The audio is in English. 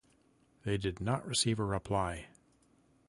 They did not receive a reply.